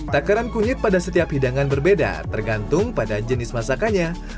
takaran kunyit pada setiap hidangan berbeda tergantung pada jenis masakannya